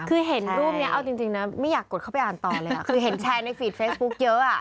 คือเห็นรูปนี้เอาจริงนะไม่อยากกดเข้าไปอ่านต่อเลยอ่ะคือเห็นแชร์ในฟีดเฟซบุ๊คเยอะอ่ะ